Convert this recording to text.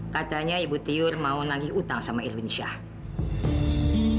katanya ibu tiur mau nagih utang sama irwin syah